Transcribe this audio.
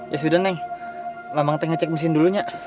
ya sudah neng lama gak ngecek mesin dulunya